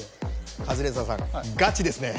カズレーザーさんガチですね。